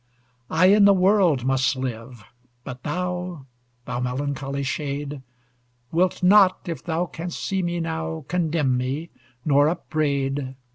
I in the world must live; but thou, Thou melancholy shade! Wilt not, if thou can'st see me now, Condemn me, nor upbraid.